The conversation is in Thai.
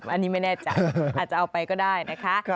อันนี้ไม่แน่ใจอาจจะเอาไปก็ได้นะคะ